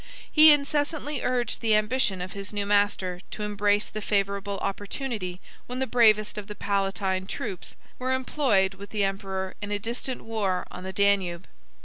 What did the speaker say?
He incessantly urged the ambition of his new master to embrace the favorable opportunity when the bravest of the Palatine troops were employed with the emperor in a distant war on the Danube.